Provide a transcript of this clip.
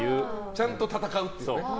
ちゃんと戦うっていうね。